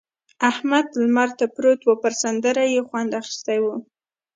احمد لمر ته پروت وو؛ پر سندرو يې خوند اخيستی وو.